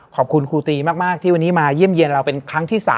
ขอบคุณครูตีมากที่วันนี้มาเยี่ยมเยี่ยมเราเป็นครั้งที่๓